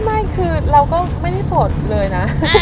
ไม่คือเราก็ไม่ได้โสดเลยนะ